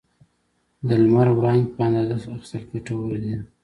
د لمر وړانګې په اندازه اخیستل ګټور دي.